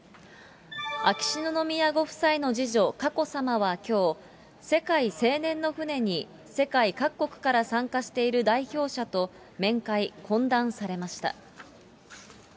秋篠宮ご夫妻の次女、佳子さまはきょう、世界青年の船に、世界各国から参加している代表者と面会、懇談されました。